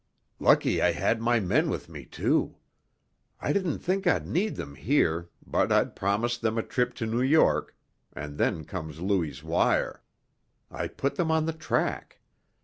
"Lucky I had my men with me, too. I didn't think I'd need them here, but I'd promised them a trip to New York and then comes Louis's wire. I put them on the track.